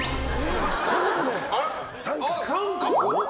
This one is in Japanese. これもね、△。